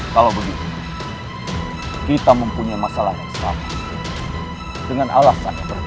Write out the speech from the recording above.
kalau begitu kita mempunyai masalah yang sama dengan alasan yang berbeda